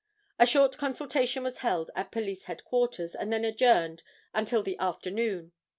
A short consultation was held at police headquarters and then adjourned until the afternoon.